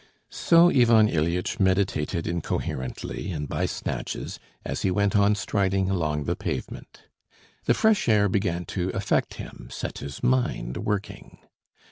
So Ivan Ilyitch meditated incoherently and by snatches, as he went on striding along the pavement. The fresh air began to affect him, set his mind working.